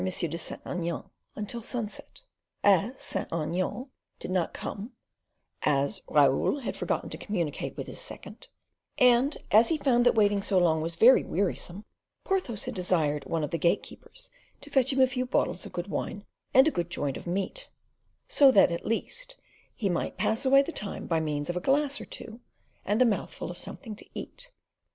de Saint Aignan until sunset; and as Saint Aignan did not come, as Raoul had forgotten to communicate with his second, and as he found that waiting so long was very wearisome, Porthos had desired one of the gate keepers to fetch him a few bottles of good wine and a good joint of meat, so that, at least, he might pass away the time by means of a glass or two and a mouthful of something to eat.